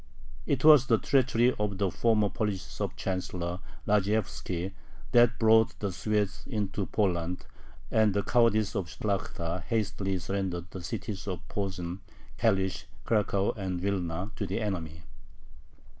It was the treachery of the former Polish sub Chancellor Radzieyevski that brought the Swedes into Poland, and the cowardice of the Shlakhta hastily surrendered the cities of Posen, Kalish, Cracow, and Vilna, to the enemy.